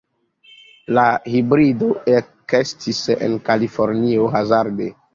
La hibrido ekestis en Kalifornio hazarde.